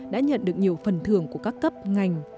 đã nhận được nhiều phần thưởng của các cấp ngành